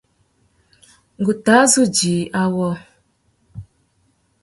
Ngu tà zu djï awô.